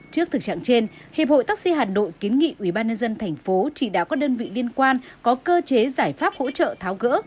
trước thực trạng trên hiệp hội taxi hà nội kiến nghị ubnd tp chỉ đáo các đơn vị liên quan có cơ chế giải pháp hỗ trợ tháo gỡ